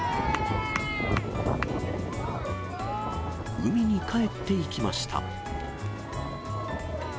海に帰っていきました。